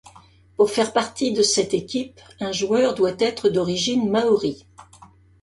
Pour faire partie de cette équipe, un joueur doit être d'origine Māori.